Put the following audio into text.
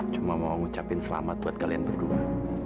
cuma mau ngucapin selamat buat kalian berdua